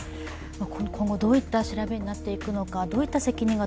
今後どういった調べになっていくのか、どういった責任が